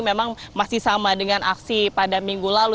memang masih sama dengan aksi pada minggu lalu